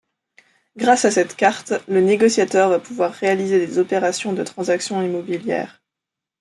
Grâce à cette carte, le négociateur va pouvoir réaliser des opérations de transactions immobilières.